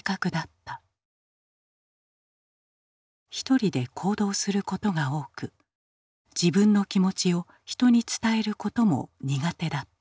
一人で行動することが多く自分の気持ちを人に伝えることも苦手だった。